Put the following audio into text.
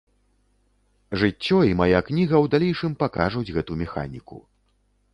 Жыццё і мая кніга ў далейшым пакажуць гэту механіку.